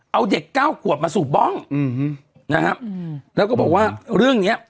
เอาเด็กเก้าขวบมาสูบบ้องอืมนะฮะแล้วก็บอกว่าเรื่องเนี้ย